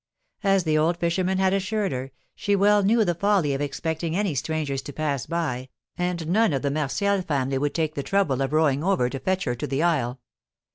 As the old fisherman had assured her, she well knew the folly of expecting any strangers to pass by, and none of the Martial family would take the trouble of rowing over to fetch her to the isle.